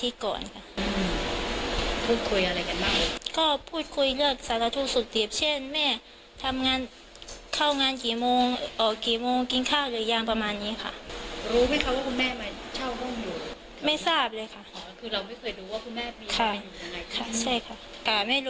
ซึ่งว่าเคยถามว่าตอนนี้อยู่กับใครเขาก็บอกว่าภาคอยู่คนเดียว